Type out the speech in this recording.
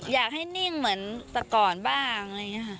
อยากให้นิ่งเหมือนตะกรบ้าง